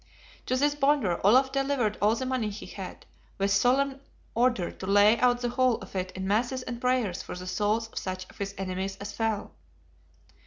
To this Bonder, Olaf delivered all the money he had, with solemn order to lay out the whole of it in masses and prayers for the souls of such of his enemies as fell.